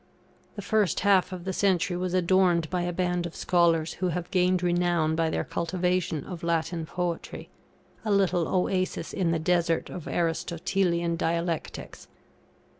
The first half of the century was adorned by a band of scholars, who have gained renown by their cultivation of Latin poetry; a little oasis in the desert of Aristotelian Dialectics.